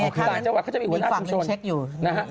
หลายจังหวัดเขาจะมีหัวหน้าชุมชน